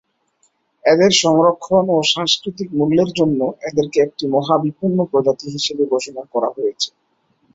এদের সংরক্ষণ ও সাংস্কৃতিক মূল্যের জন্য এদেরকে একটি মহাবিপন্ন প্রজাতি হিসেবে ঘোষণা করা হয়েছে।